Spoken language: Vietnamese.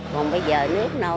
còn bây giờ nước nâu